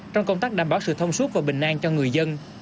trong công tác đảm bảo sự thông suốt và bình an cho người dân